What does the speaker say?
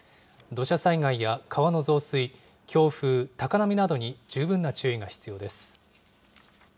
土砂災害や川の増水、強風、高波などに十分な注意が必要です。